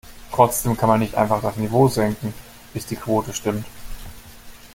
Trotzdem kann man nicht einfach das Niveau senken, bis die Quote stimmt.